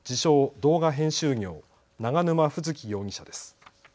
動画編集業、永沼楓月容疑者です。